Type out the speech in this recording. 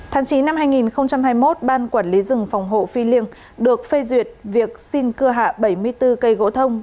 tháng chín năm hai nghìn hai mươi một ban quản lý rừng phòng hộ phi liêng được phê duyệt việc xin cưa hạ bảy mươi bốn cây gỗ thông